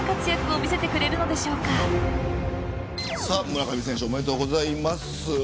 村上選手おめでとうございます。